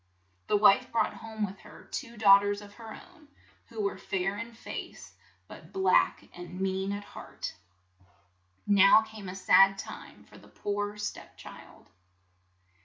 The wife brought home with her two daugh ters of her own, who were fair in face, but black and mean at heart. Now CINDERELLA 97 came a sad time for the poor step child.